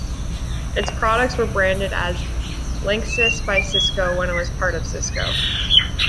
Its products were branded as Linksys by Cisco when it was part of Cisco.